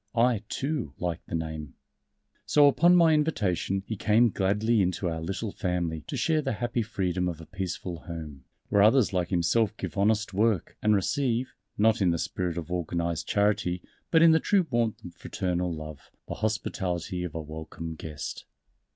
"I, too, like the name." So upon my invitation he came gladly into our little Family to share the happy freedom of a peaceful home, where others like himself give honest work and receive not in the spirit of organized charity, but in the true warmth of fraternal love the hospitality of a welcome guest.